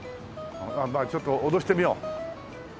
まあちょっと脅してみよう。